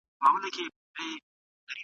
غوړ سوځولو زون تل وزن نه کموي.